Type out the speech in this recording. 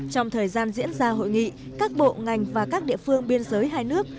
trong thời gian diễn ra hội nghị các bộ ngành và các địa phương biên giới hai nước